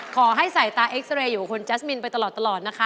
ขอให้ใส่ตาเอ็กซาเรย์อยู่กับคุณแจ๊สมินไปตลอดนะคะ